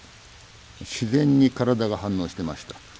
自然に体が反応してました。